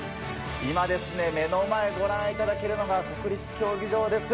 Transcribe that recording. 今、目の前、ご覧いただけるのが国立競技場です。